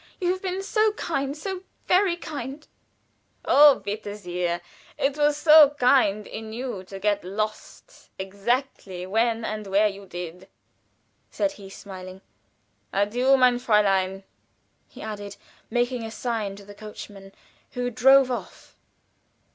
"You have been so kind, so very kind " "O, bitte sehr! It was so kind in you to get lost exactly when and where you did," said he, smiling. "Adieu, mein Fräulein," he added, making a sign to the coachman, who drove off.